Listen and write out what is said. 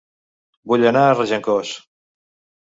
Vull anar a Regencós